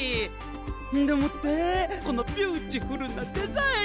んでもってこのビューティフルなデザイン！